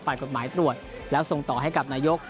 กฎหมายตรวจแล้วส่งต่อให้กับนายก